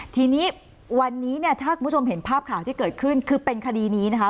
ทีนี้วันนี้เนี่ยถ้าคุณผู้ชมเห็นภาพข่าวที่เกิดขึ้นคือเป็นคดีนี้นะคะ